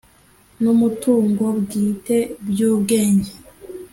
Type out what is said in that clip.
n umutungo bwite mu by ubwenge